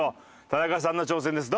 田中さんの挑戦です。